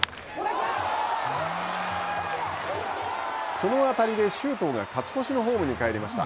この当たりで周東が勝ち越しのホームに帰りました。